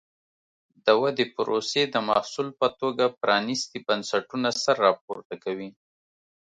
د ودې پروسې د محصول په توګه پرانیستي بنسټونه سر راپورته کوي.